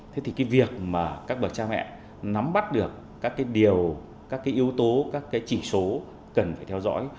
thế thì việc mà các bậc cha mẹ nắm bắt được các điều các yếu tố các trình số cần phải theo dõi